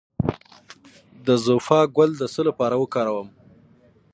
د زوفا ګل د څه لپاره وکاروم؟